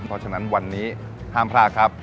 เพราะฉะนั้นวันนี้ห้ามพลาดครับ